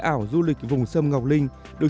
ảo du lịch vùng sâm ngọc linh được